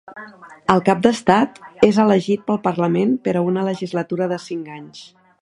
El cap d'estat és elegit pel parlament per a una legislatura de cinc anys.